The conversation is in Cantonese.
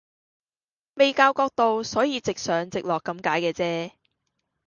未校角度，所以直上直落咁解嘅啫